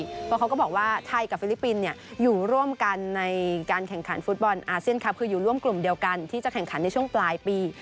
เพราะเขาก็บอกว่าไทยกับฟิลิปปินส์อยู่ร่วมกันในการแข่งขันฟุตบอลอาเซียนคลับคืออยู่ร่วมกลุ่มเดียวกันที่จะแข่งขันในช่วงปลายปี